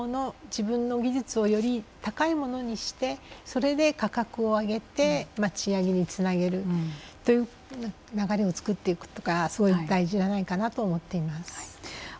自分の技術をより高いものにしてそれで価格を上げて賃上げにつなげる流れを作っていくというのが大事だと思っています。